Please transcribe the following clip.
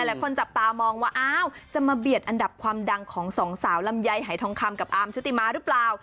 จับตามองว่าอ้าวจะมาเบียดอันดับความดังของสองสาวลำไยหายทองคำกับอาร์มชุติมาหรือเปล่า